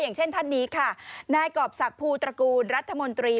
อย่างเช่นท่านนี้ค่ะนายกรอบศักดิภูตระกูลรัฐมนตรี